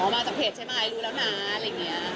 มาจากเพจใช่ไหมรู้แล้วนะอะไรอย่างนี้